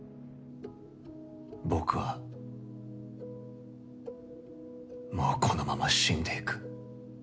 僕はもうこのまま死んでいく。